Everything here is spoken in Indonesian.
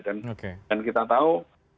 dan kita tahu